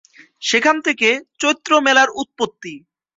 সেখান থেকে চৈত্র মেলার উৎপত্তি।